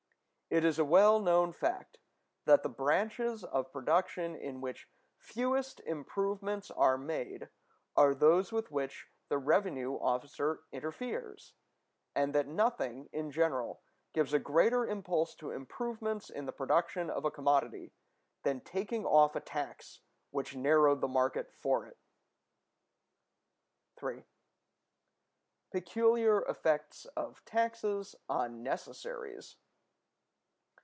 It is a well known fact that the branches of production in which fewest improvements are made are those with which the revenue officer interferes; and that nothing, in general, gives a greater impulse to improvements in the production of a commodity than taking off a tax which narrowed the market for it. § 3. Peculiar effects of taxes on Necessaries.